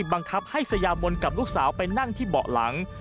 บังคับให้สยามนกับลูกสาวไปนั่งที่เบาะหลัง